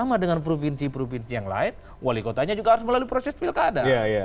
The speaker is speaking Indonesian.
sama dengan provinsi provinsi yang lain wali kotanya juga harus melalui proses pilkada